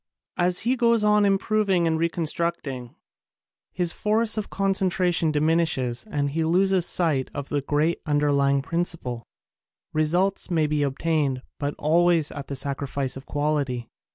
As he goes on improving and reconstructing, his force of concentration diminishes and he loses sight of the great underlying prin ciple. Results may be obtained but always at the sacrifice of quality.